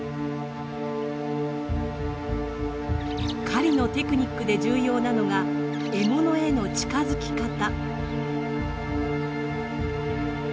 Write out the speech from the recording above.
狩りのテクニックで重要なのが獲物への近づき方。